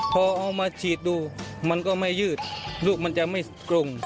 พอเอามาฉีดดูมันก็ไม่ยืดลูกมันจะไม่กรุง